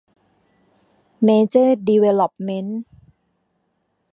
เมเจอร์ ดีเวลลอปเม้นท์